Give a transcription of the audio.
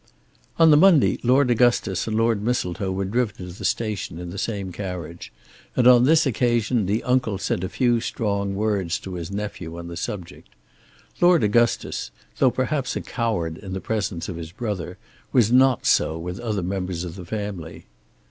On the Monday Lord Augustus and Lord Mistletoe were driven to the station in the same carriage, and on this occasion the uncle said a few strong words to his nephew on the subject. Lord Augustus, though perhaps a coward in the presence of his brother, was not so with other members of the family.